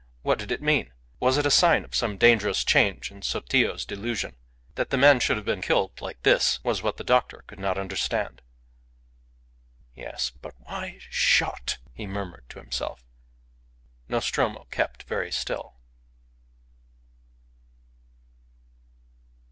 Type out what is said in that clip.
What did it mean? Was it a sign of some dangerous change in Sotillo's delusion? That the man should have been killed like this was what the doctor could not understand. "Yes. But why shot?" he murmured to himself. Nostromo kept very still.